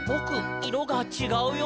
いろがちがうよ」